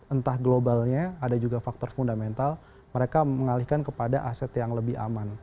entah globalnya ada juga faktor fundamental mereka mengalihkan kepada aset yang lebih aman